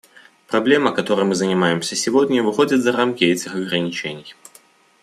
Проблема, которой мы занимаемся сегодня, выходит за рамки этих ограничений.